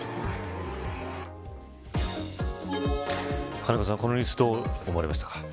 金子さん、このニュースどう思われましたか。